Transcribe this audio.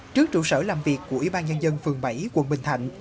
trước trụ sở làm việc của ủy ban nhân dân phường bảy quận bình thạnh